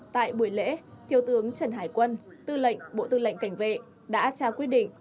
tại buổi lễ thiếu tướng trần hải quân tư lệnh bộ tư lệnh cảnh vệ đã trao quyết định